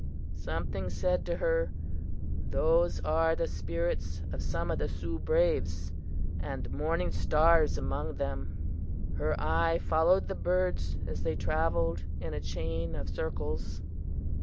Something said to her: 'Those are the spirits of some of the Sioux braves, and Morning Star is among them!' Her eye followed the birds as they traveled in a chain of circles.